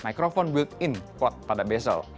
mikrofon built in kuat pada bezel